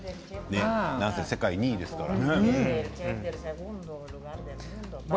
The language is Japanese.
なんせ世界２位ですから。